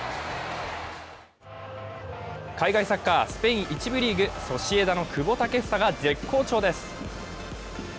海外サッカー、スペイン１部リーグソシエダの久保建英が絶好調です。